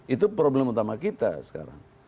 itu problem utama kita sekarang